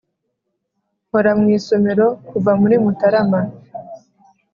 nkora mu isomero kuva muri mutarama.